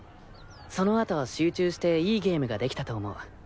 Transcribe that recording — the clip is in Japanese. その後は集中していいゲームができたと思う。